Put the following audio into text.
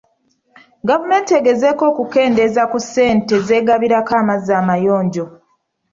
Gavumenti egezaako okukendeeza ku ssente z'egabirako amazzi amayonjo.